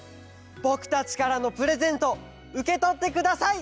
ぼくたちからのプレゼントうけとってください。